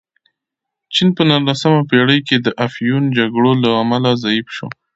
چین په نولسمه پېړۍ کې د افیون جګړو له امله ضعیف شو.